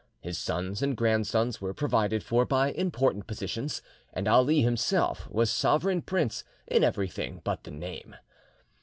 His sons and grandsons were provided for by important positions, and Ali himself was sovereign prince in everything but the name.